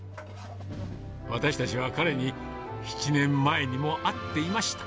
私たちは彼に、７年前にも会っていました。